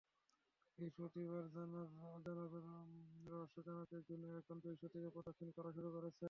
বৃহস্পতির অজানা রহস্য জানাতে জুনো এখন বৃহস্পতিকে প্রদক্ষিণ করা শুরু করেছে।